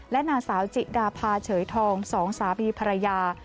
และนางสาวจิดาพาเฉยทองสองสามีภรรยา